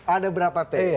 ada berapa t